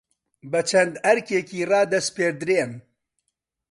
بە چەند ئەرکێکی رادەسپێردرێن